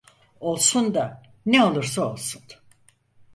Olsun da, ne olursa olsun!